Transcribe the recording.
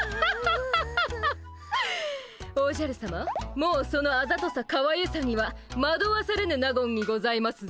もうそのあざとさかわゆさにはまどわされぬ納言にございますぞ。